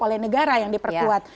oleh negara yang diperkuat